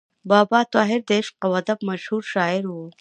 بابا طاهر د عشق او ادب مشهور شاعر و.